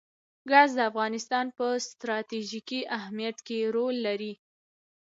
ګاز د افغانستان په ستراتیژیک اهمیت کې رول لري.